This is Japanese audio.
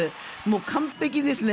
完璧ですね。